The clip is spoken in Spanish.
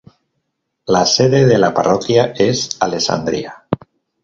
La sede de la parroquia es Alexandria.